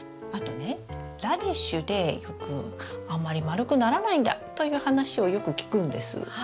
あとねラディッシュでよくあんまり丸くならないんだという話をよく聞くんです。